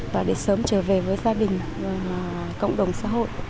và để sớm trở về với gia đình cộng đồng xã hội